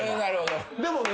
でもね